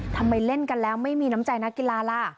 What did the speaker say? ทำไมเล่นกันแล้วไม่มีน้ำใจนักกีฬาล่ะ